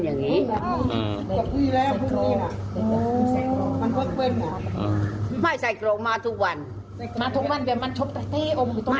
มันมีไฟทุกวันคือใส่กรอกหรือไฟ